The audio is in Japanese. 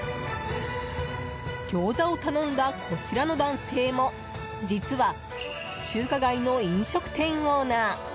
ギョーザを頼んだこちらの男性も実は中華街の飲食店オーナー。